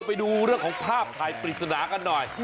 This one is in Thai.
ไปดูเรื่องของภาพถ่ายปริศนากันหน่อย